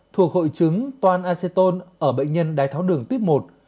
thuộc hội chứng toan acetone ở bệnh nhân đáy thấu đường tuyết một